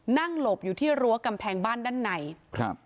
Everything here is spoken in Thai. หลบอยู่ที่รั้วกำแพงบ้านด้านในครับ